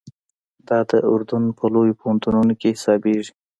دا د اردن په لویو پوهنتونو کې حسابېږي.